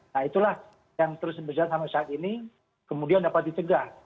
nah itulah yang terus berjalan sampai saat ini kemudian dapat dicegah